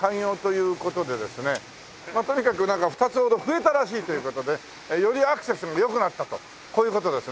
まあとにかくなんか２つほど増えたらしいという事でよりアクセスが良くなったとこういう事ですね。